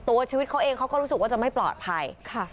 ชีวิตเขาเองเขาก็รู้สึกว่าจะไม่ปลอดภัย